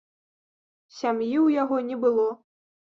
Сям'і ў яго не было.